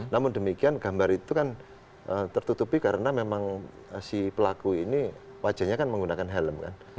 namun demikian gambar itu kan tertutupi karena memang si pelaku ini wajahnya kan menggunakan helm kan